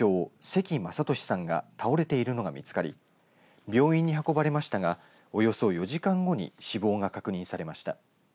関維俊さんが倒れているのが見つかり病院に運ばれましたがおよそ４時間後に死亡が確認されました。